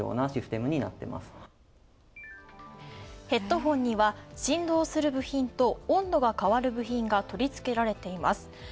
ヘッドフォンには振動する部品と温度が変わある部品が取り付けられています。